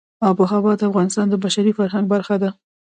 آب وهوا د افغانستان د بشري فرهنګ برخه ده.